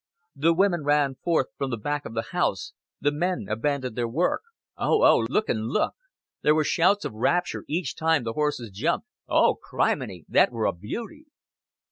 The women ran forth from the back of the house; the men abandoned their work. "Oo, oo! Look an' look." There were shouts of rapture each time the horses jumped. "Oo! Crimany! That were a beauty!"